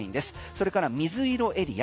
それから水色エリア。